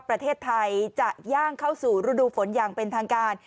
ประเทศไทยจะย่างเข้าสู่ฤดูฝนอย่างเป็นทางการ